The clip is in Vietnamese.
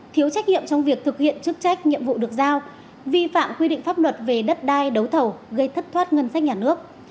thiếu trách nhiệm trong việc thực hiện chức trách nhiệm vụ được giao vi phạm quy định pháp luật về đất đai đấu thầu gây thất thoát ngân sách nhà nước